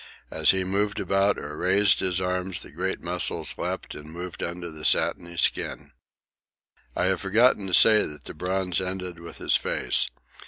As he moved about or raised his arms the great muscles leapt and moved under the satiny skin. I have forgotten to say that the bronze ended with his face.